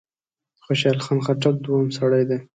خوشحال خان خټک دوهم سړی دی.